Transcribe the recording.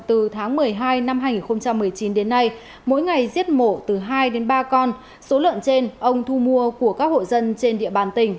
từ tháng một mươi hai năm hai nghìn một mươi chín đến nay mỗi ngày giết mổ từ hai đến ba con số lợn trên ông thu mua của các hộ dân trên địa bàn tỉnh